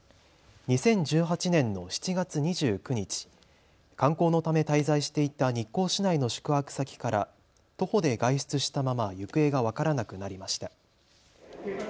２０１８年の７月２９日、観光のため滞在していた日光市内の宿泊先から徒歩で外出したまま行方が分からなくなりました。